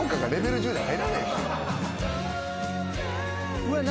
うわっ何！？